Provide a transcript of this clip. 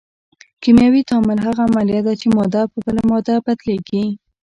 کیمیاوي تعامل هغه عملیه ده چې ماده په بله ماده بدلیږي.